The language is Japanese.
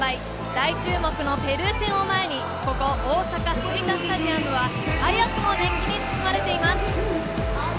大注目のペルー戦を前にここ、大阪・吹田スタジアムは早くも熱気に包まれています。